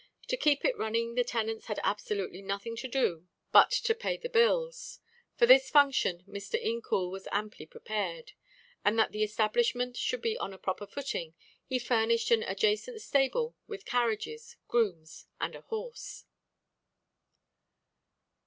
To keep it running the tenants had absolutely nothing to do but to pay the bills. For this function Mr. Incoul was amply prepared, and, that the establishment should be on a proper footing, he furnished an adjacent stable with carriages, grooms and horse.